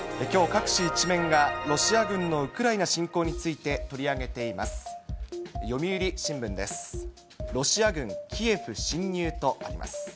きょう、各紙１面がロシア軍のウクライナ侵攻について取り上げています。